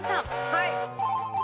はい。